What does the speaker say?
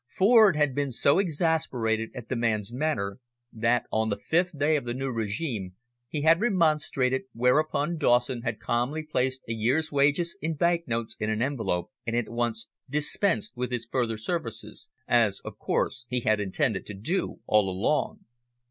Ford had been so exasperated at the man's manner that, on the fifth day of the new regime, he had remonstrated, whereupon Dawson had calmly placed a year's wages in banknotes in an envelope, and at once dispensed with his further services, as, of course, he had intended to do all along.